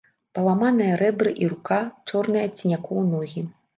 Паламаныя рэбры і рука, чорныя ад сінякоў ногі.